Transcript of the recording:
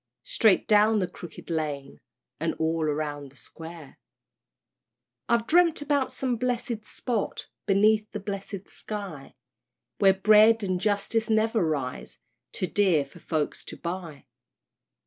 "Straight down the Crooked Lane, And all round the Square," I've dreamt about some blessed spot, Beneath the blessed sky, Where Bread and Justice never rise Too dear for folks to buy.